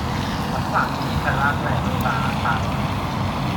Mae'r plant yn cyrraedd lefel dda yn barod.